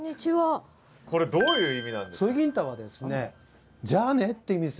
これどういう意味なんです？